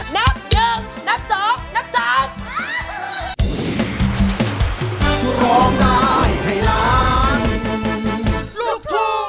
นับ๑นับ๒นับ๓